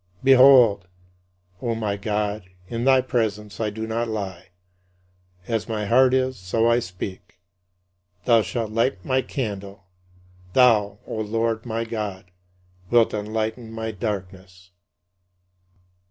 Behold, O my God, in thy presence I do not lie. As my heart is, so I speak. Thou shalt light my candle; thou, O Lord my God, wilt enlighten my darkness.